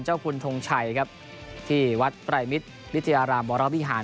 เจ้าคุณทรงชัยครับที่วัดไปรมิตรวิทยาลามบรรเวราบิหาร